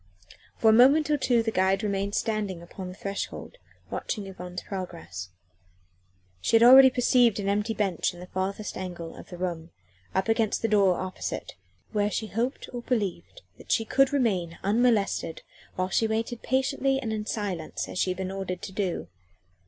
For a moment or two the guide remained standing on the threshold, watching Yvonne's progress. She had already perceived an empty bench in the furthest angle of the room, up against the door opposite, where she hoped or believed that she could remain unmolested while she waited patiently and in silence as she had been ordered to do.